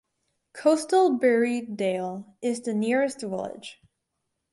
Coastal Berriedale is the nearest village.